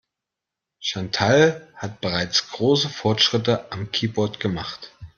Chantal hat bereits große Fortschritte am Keyboard gemacht.